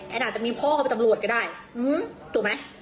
แอนอาจจะมีพ่อเข้าไปตำรวจก็ได้หื้มถูกไหม